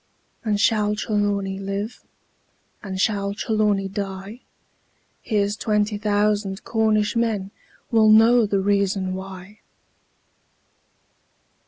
And shall Trelawny live? Or shall Trelawny die? Here's twenty thousand Cornish men Will know the reason why!